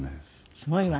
すごいわね。